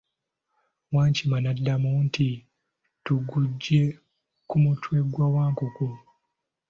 Wankima naddamu nti, tuguggye ku mutwe gwa Wankoko.